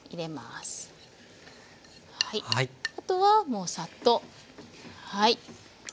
あとはもうサッとはい。